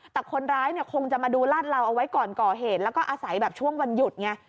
แต่คนร้ายเนี่ยคงจะมาดูลาดเหลาเอาไว้ก่อนก่อเหตุแล้วก็อาศัยแบบช่วงวันหยุดไง